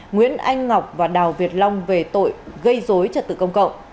nguyễn anh ngọc và đào việt long về tội gây dối trật tự công cộng